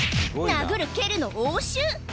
殴る蹴るの応酬！